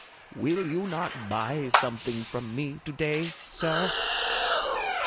'Will you not buy something from me to day, sir?